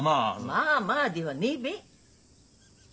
「まあまあ」ではねえべ。